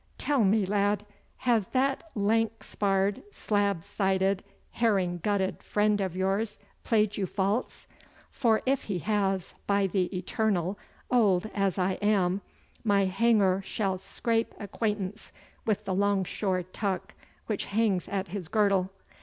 Tell me, lad. Has that lank sparred, slab sided, herring gutted friend of yours played you false? for if he has, by the eternal, old as I am, my hanger shall scrape acquaintance with the longshore tuck which hangs at his girdle.